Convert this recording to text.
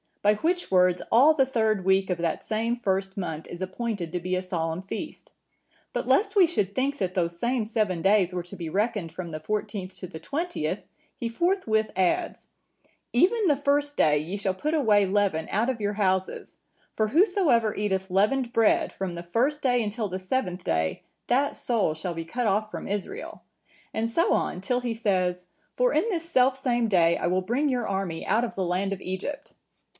By which words all the third week of that same first month is appointed to be a solemn feast. But lest we should think that those same seven days were to be reckoned from the fourteenth to the twentieth, He forthwith adds,(956) 'Even the first day ye shall put away leaven out of your houses; for whosoever eateth leavened bread, from the first day until the seventh day, that soul shall be cut off from Israel;' and so on, till he says,(957) 'For in this selfsame day I will bring your army out of the land of Egypt.